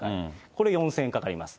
これ４０００円かかります。